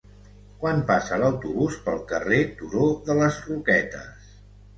Quan passa l'autobús pel carrer Turó de les Roquetes?